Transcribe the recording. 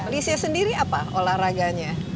di usia sendiri apa olahraganya